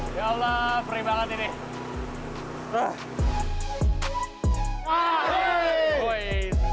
ya allah perih banget ini